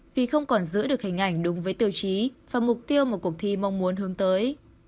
vì không còn giữ được hình ảnh đúng với tiêu chí và mục tiêu mà cuộc thi mong muốn hướng tới